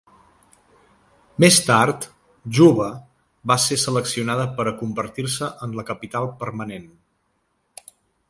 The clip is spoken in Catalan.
Més tard, Juba va ser seleccionada per a convertir-se en la capital permanent.